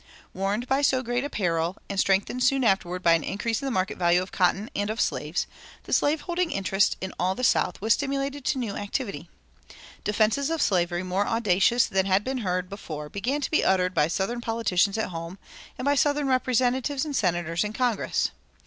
Warned by so great a peril, and strengthened soon afterward by an increase in the market value of cotton and of slaves, the slave holding interest in all the South was stimulated to new activity. Defenses of slavery more audacious than had been heard before began to be uttered by southern politicians at home and by southern representatives and senators in Congress.